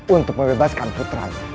untuk mebebaskan putranya